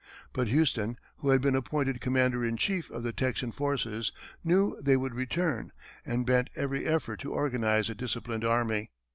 But Houston, who had been appointed commander in chief of the Texan forces, knew they would return, and bent every effort to organize a disciplined army.